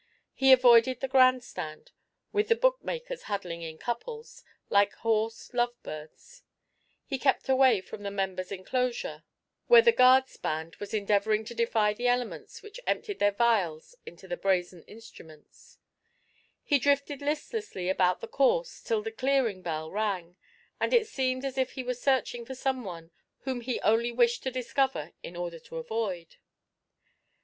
He avoided the grand stand, with the bookmakers huddling in couples, like hoarse lovebirds; he kept away from the members' inclosure, where the Guards' band was endeavouring to defy the elements which emptied their vials into the brazen instruments; he drifted listlessly about the course till the clearing bell rang, and it seemed as if he was searching for some one whom he only wished to discover in order to avoid.